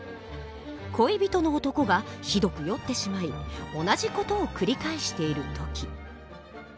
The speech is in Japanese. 「恋人の男がひどく酔ってしまい同じ事を繰り返している時」。